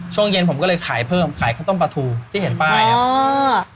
ช่วงเย็นผมก็เลยขายเพิ่มขายข้าวต้มปลาทูที่เห็นป้ายครับ